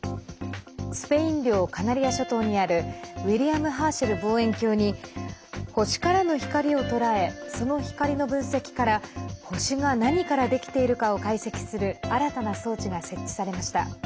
スペイン領カナリア諸島にあるウィリアム・ハーシェル望遠鏡に星からの光を捉えその光の分析から星が何からできているかを解析する新たな装置が設置されました。